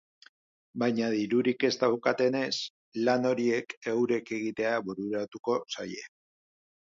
Baina dirurik ez daukatenez, lan horiek eurek egitea bururatuko zaie.